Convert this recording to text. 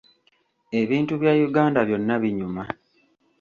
Ebintu bya Uganda byonna binyuma.